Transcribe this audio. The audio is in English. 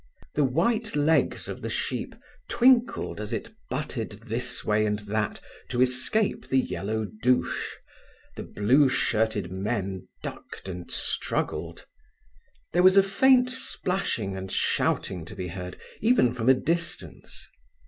The white legs of the sheep twinkled as it butted this way and that to escape the yellow douche, the blue shirted men ducked and struggled. There was a faint splashing and shouting to be heard even from a distance.